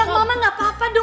eh bebe tapi aku